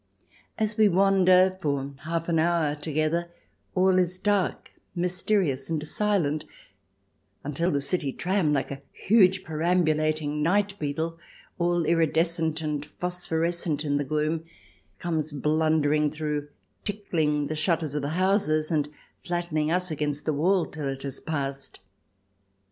As we wander, for half an hour together all is dark, mysterious, and silent, until the city tram, like a huge perambulating nightbeetle, all iridescent and phosphorescent in the gloom, comes blundering through, tickling the shutters of the houses, and flattening us against the wall till it has passed.